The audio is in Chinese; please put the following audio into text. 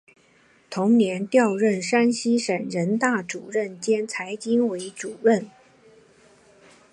同年调任山西省人大副主任兼财经委员会主任。